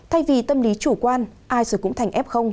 thay vì tâm lý chủ quan ai rồi cũng thành f